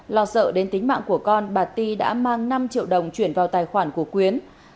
lo sợ đến tính mạng của con bà ti đã mang năm triệu đồng chuyển vào tài khoản của quyến